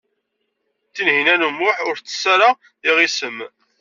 Tinhinan u Muḥ ur tettess ara iɣisem.